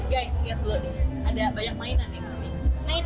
guys kita lama deh ada banyak mainan nih